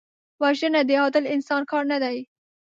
وژنه د عادل انسان کار نه دی